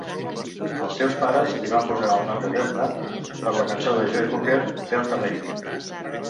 Els seus pares li van posar el nom de Delta per la cançó de Joe Cocker "Delta Lady".